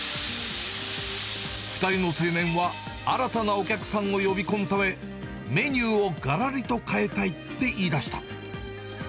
２人の青年は、新たなお客さんを呼び込むため、メニューをがらりと変えたいって言いだした。